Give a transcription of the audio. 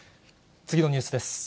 次のニュースです。